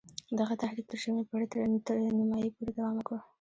دغه تحریک تر شلمې پېړۍ نیمايی پوري دوام وکړ.